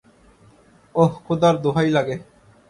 ওহ, খোদার দোহাই লাগে।